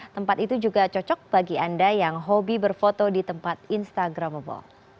tempat itu juga cocok bagi anda yang hobi berfoto di tempat instagramable